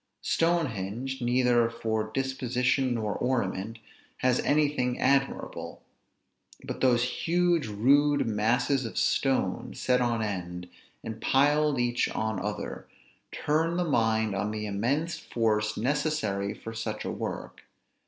Stonehenge, neither for disposition nor ornament, has anything admirable; but those huge rude masses of stone, set on end, and piled each on other, turn the mind on the immense force necessary for such a work.